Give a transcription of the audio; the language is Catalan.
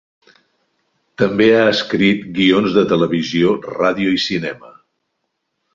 També ha escrit guions de televisió, ràdio i cinema.